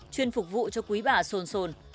chuyên phục vụ cho quý bà sồn sồn